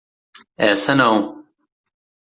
Essa não!